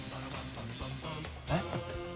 えっ？